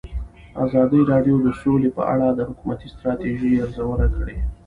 ازادي راډیو د سوله په اړه د حکومتي ستراتیژۍ ارزونه کړې.